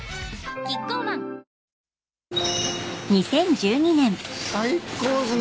キッコーマン最高っすね